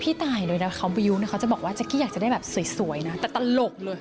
พี่ตายโดยรับคำวิวเขาจะบอกว่าแจ๊กกี้อยากจะได้แบบสวยนะแต่ตลกเลย